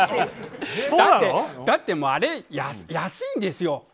だって、安いんですよ。